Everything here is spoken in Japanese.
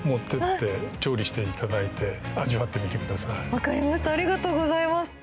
わかりましたありがとうございます。